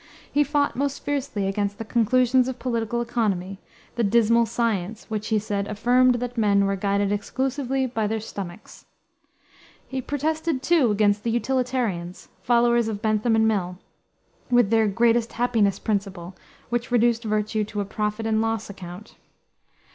He fought most fiercely against the conclusions of political economy, "the dismal science," which, he said, affirmed that men were guided exclusively by their stomachs. He protested, too, against the Utilitarians, followers of Bentham and Mill, with their "greatest happiness principle," which reduced virtue to a profit and loss account.